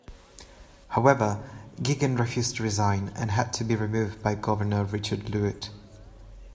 However, Jagan refused to resign, and had to be removed by Governor Richard Luyt.